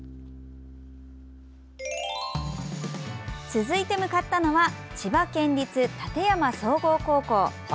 続いて向かったのは千葉県立館山総合高校。